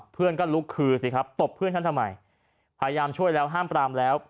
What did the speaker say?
เพื่อนก็ลุกคือสิครับตบเพื่อนฉันทำไมพยายามช่วยแล้วห้ามปรามแล้ว